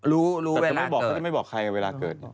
รู้รู้เวลาเกิด